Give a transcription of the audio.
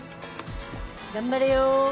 頑張れよ。